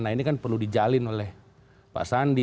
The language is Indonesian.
nah ini kan perlu dijalin oleh pak sandi